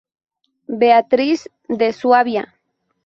Beatriz de Suabia.